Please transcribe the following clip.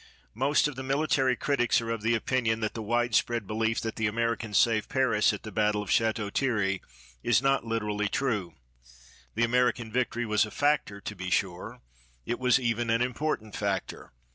Most of the military critics are of the opinion that the wide spread belief that the Americans saved Paris at the battle of Château Thierry is not literally true. The American victory was a factor, to be sure. It was even an important factor.